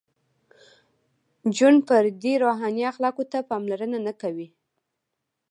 • جن فردي روحاني اخلاقو ته پاملرنه نهکوي.